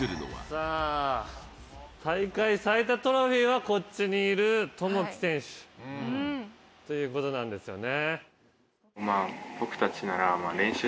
さあ大会最多トロフィーはこっちにいるともき選手ということなんですよね。